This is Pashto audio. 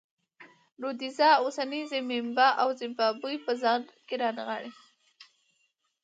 رودزیا اوسنۍ زیمبیا او زیمبابوې په ځان کې رانغاړي.